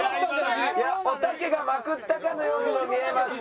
おたけがまくったかのようにも見えました。